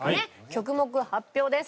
曲目発表です。